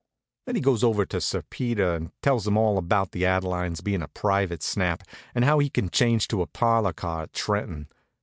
Then he goes over to Sir Peter, tells him all about the Adeline's bein' a private snap, and how he can change to a parlor car at Trenton.